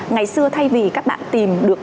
ngày xưa thay vì các bạn tìm được